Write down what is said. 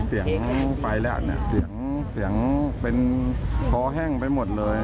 เสียงไปแล้วเนี่ยเสียงเสียงเป็นคอแห้งไปหมดเลย